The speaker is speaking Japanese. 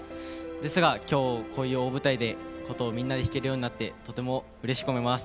ですが、今日こういう大舞台で琴をみんなで弾けるようになってとてもうれしく思います。